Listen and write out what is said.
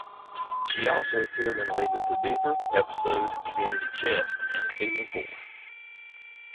She also appeared in "Leave It To Beaver" episode "Community Chest" in season four.